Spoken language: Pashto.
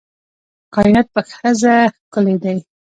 کائنات په ښځه ښکلي دي